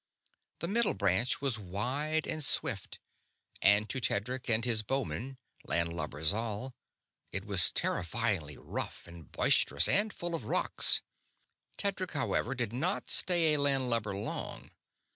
The Middle Branch was wide and swift; and to Tedric and his bowmen, landlubbers all, it was terrifyingly rough and boisterous and full of rocks. Tedric, however, did not stay a landlubber long.